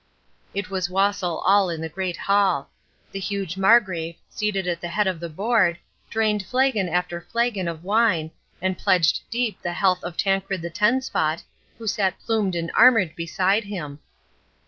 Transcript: It was wassail all in the great hall. The huge Margrave, seated at the head of the board, drained flagon after flagon of wine, and pledged deep the health of Tancred the Tenspot, who sat plumed and armoured beside him.